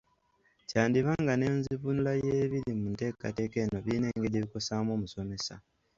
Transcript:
Kyandiba nga n’enzivuunula y’ebiri mu nteekateeka eno birina engeri gye bikosaamu omusomesa